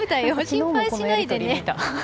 心配しないでね。